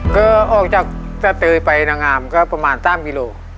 ก็ออกจากสเตยไปนางงามก็ประมาณ๓กิโล